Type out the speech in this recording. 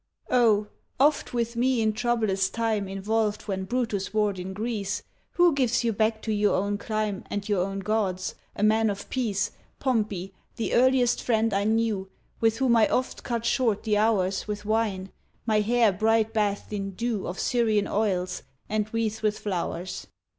O, Oft with me in troublous time Involved, when Brutus warr'd in Greece, Who gives you back to your own clime And your own gods, a man of peace, Pompey, the earliest friend I knew, With whom I oft cut short the hours With wine, my hair bright bathed in dew Of Syrian oils, and wreathed with flowers?